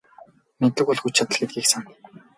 Мэдлэг бол хүч чадал гэдгийг сана.